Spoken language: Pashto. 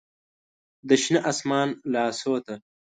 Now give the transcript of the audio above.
د شنه اسمان لاسو ته